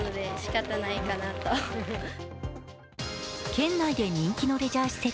県内で人気のレジャー施設